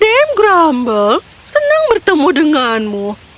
dame grumble senang bertemu denganmu